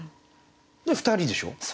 で二人でしょう？